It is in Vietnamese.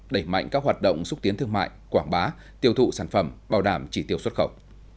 đẩy mạnh các hoạt động xúc tiến thương mại quảng bá tiêu thụ sản phẩm bảo đảm chỉ tiêu xuất khẩu